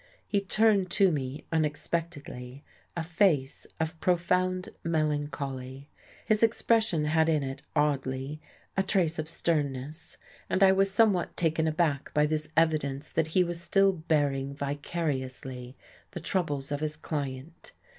He turned to me unexpectedly a face of profound melancholy; his expression had in it, oddly, a trace of sternness; and I was somewhat taken aback by this evidence that he was still bearing vicariously the troubles of his client.